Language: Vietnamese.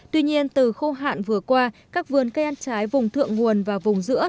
tuy nhiên từ khô hạn vừa qua các vườn cây ăn trái vùng thượng nguồn và vùng giữa